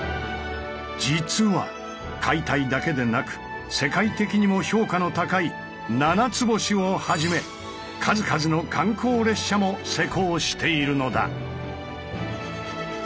実は解体だけでなく世界的にも評価の高い「ななつ星」をはじめ数々の観光列車も施工しているのだ。